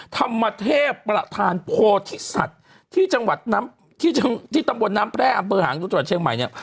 ธรรมเทพประธานโพธิศัตริย์ที่ตำบลน้ำแพร่อำเบอร์หางที่จังหวัดเชียงใหม่เนี่ย